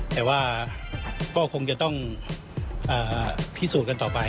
แต่ว่าก็คงจะต้องพิสูจน์กันต่อไป